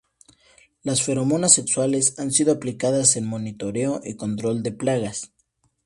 Las feromonas sexuales han sido aplicadas en Monitoreo y control de plagas.